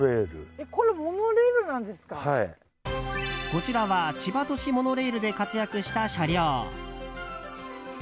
こちらは千葉都市モノレールで活躍した車両。